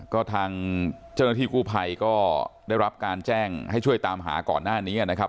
ก็ทางเจ้าหน้าที่กู้ภัยก็ได้รับการแจ้งให้ช่วยตามหาก่อนหน้านี้นะครับ